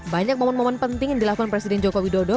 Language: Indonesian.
banyak momen momen penting yang dilakukan presiden joko widodo